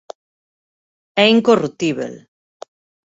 E incorruptíbel.